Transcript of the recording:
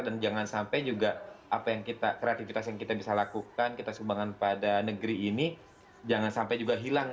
jangan sampai juga apa yang kita kreativitas yang kita bisa lakukan kita sumbangan pada negeri ini jangan sampai juga hilang